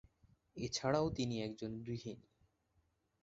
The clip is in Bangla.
এছাড়াও তিনি একজন গৃহিণী।